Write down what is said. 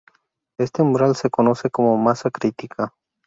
Este umbral se conoce como masa crítica.